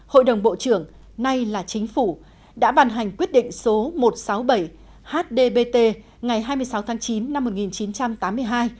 hội đồng bộ trưởng nay là chính phủ đã bàn hành quyết định số một trăm sáu mươi bảy hdbt ngày hai mươi sáu tháng chín năm một nghìn chín trăm tám mươi hai